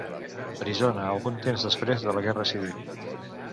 Arizona, algun temps després de la Guerra Civil.